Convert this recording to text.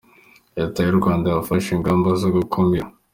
Leta y’u Rwanda yafashe ingamba zo gukumira.